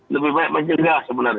lebih banyak mencegah sebenarnya